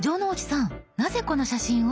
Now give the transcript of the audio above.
なぜこの写真を？